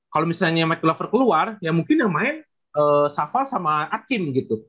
kalau misalnya mike glover keluar ya mungkin yang main safar sama achim gitu